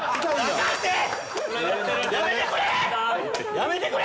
やめてくれ！